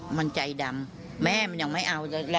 มันใจดำแม่มันยังไม่เอา